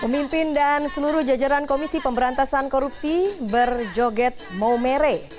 pemimpin dan seluruh jajaran komisi pemberantasan korupsi berjoget maumere